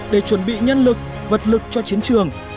để chuẩn bị nhân lực vật lực cho chiến trường